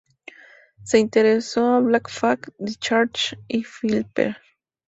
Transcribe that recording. Se interesó en Black Flag, Discharge y Flipper.